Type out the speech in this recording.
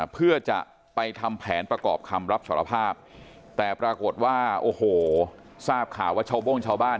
เพื่อจะไปทำแผนประกอบคำรับสารภาพแต่ปรากฏว่าโอ้โหทราบข่าวว่าชาวโบ้งชาวบ้าน